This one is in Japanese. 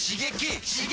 刺激！